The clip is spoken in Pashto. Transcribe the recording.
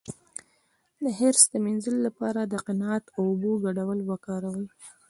د حرص د مینځلو لپاره د قناعت او اوبو ګډول وکاروئ